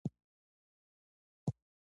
زغال د افغان ځوانانو د هیلو استازیتوب کوي.